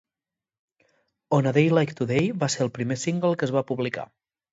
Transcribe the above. "On a Day Like Today" va ser el primer single que es va publicar.